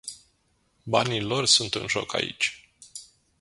Banii lor sunt în joc aici.